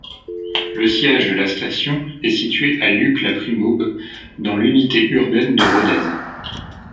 Le siège de la station est situé à Luc-la-Primaube, dans l'unité urbaine de Rodez.